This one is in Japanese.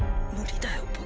無理だよ